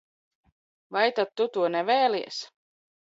Vai tad tu to nev?lies?